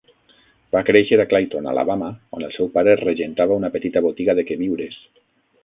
Va créixer a Clayton, Alabama, on el seu pare regentava una petita botiga de queviures.